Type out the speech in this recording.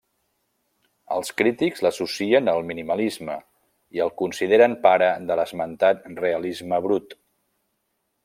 Els crítics l'associen al minimalisme i el consideren pare de l'esmentat realisme brut.